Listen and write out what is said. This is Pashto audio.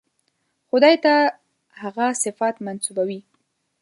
خدای ته هغه صفات منسوبوي.